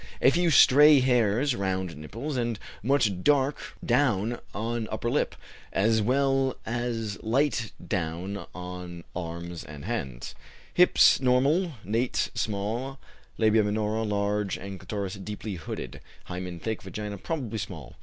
A few stray hairs round nipples, and much dark down on upper lip, as well as light down on arms and hands. Hips, normal; nates, small; labia minora, large; and clitoris, deeply hooded. Hymen thick, vagina, probably small.